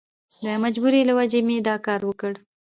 د مجبورۍ له وجهې مې دا کار وکړ.